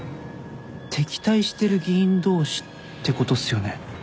敵対してる議員同士ってことっすよね？